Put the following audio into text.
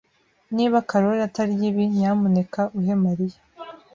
Niba Karoli atarya ibi, nyamuneka uhe Mariya.